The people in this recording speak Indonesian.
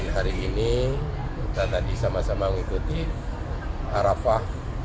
hari ini kita tadi sama sama mengikuti arafah